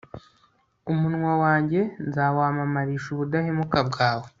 umunwa wanjye nzawamamarisha ubudahemuka bwawe